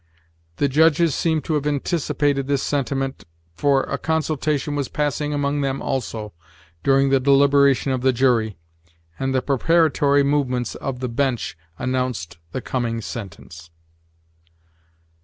The judges seemed to have anticipated this sentiment, for a consultation was passing among them also, during the deliberation of the jury, and the preparatory movements of the "bench" announced the coming sentence.